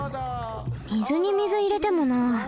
水に水いれてもな。